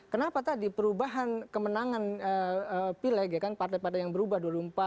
kenapa tadi perubahan kemenangan pileg ya kan partai partai yang berubah